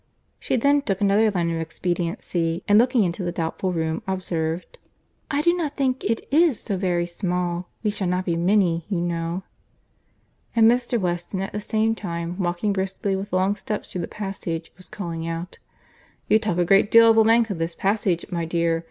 She then took another line of expediency, and looking into the doubtful room, observed, "I do not think it is so very small. We shall not be many, you know." And Mr. Weston at the same time, walking briskly with long steps through the passage, was calling out, "You talk a great deal of the length of this passage, my dear.